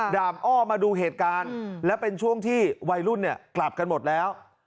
ดาบอ้อมาดูเหตุการณ์และเป็นช่วงที่วัยรุ่นเนี่ยกลับกันหมดแล้ว